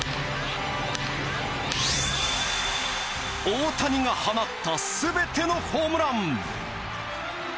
大谷が放った全てのホームラン。